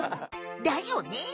だよね。